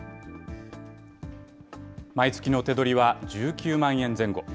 毎月の手取りは１９万円前後。